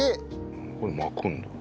これ巻くんだ。